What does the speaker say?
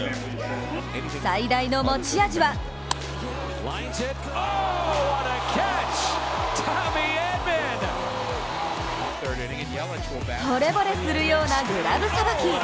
最大の持ち味はほれぼれするようなグラブさばき。